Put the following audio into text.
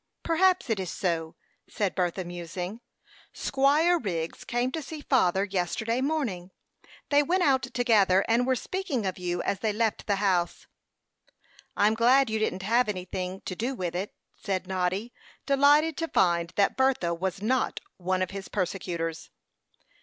"Perhaps it is so," said Bertha, musing. "Squire Wriggs came to see father yesterday morning. They went out together, and were speaking of you as they left the house." "I'm glad you didn't have anything to do with it," said Noddy, delighted to find that Bertha was not one of his persecutors.